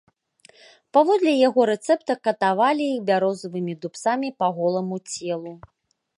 Паводле яго рэцэпта катавалі іх бярозавымі дубцамі па голаму целу.